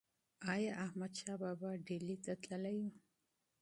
ایا احمدشاه بابا ډیلي ته تللی و؟